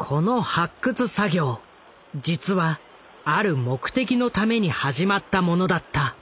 この発掘作業実はある目的のために始まったものだった。